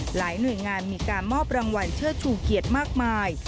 หลายหน่วยงานมีการมอบรางวัลเชิดชูเกียรติมากมาย